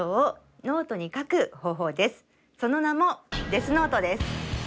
その名も「デスノート」です。